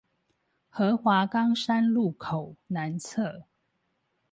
河華岡山路口南側